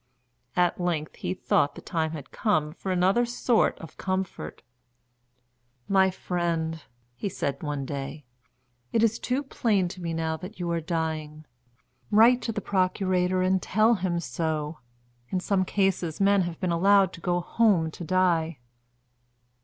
At length he thought the time had come for another sort of comfort. "My friend," he said one day, "it is too plain to me now that you are dying. Write to the procurator and tell him so. In some cases men have been allowed to go home to die."